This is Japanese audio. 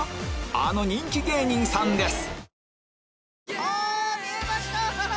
あの人気芸人さんです